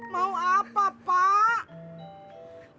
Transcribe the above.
mau apa pak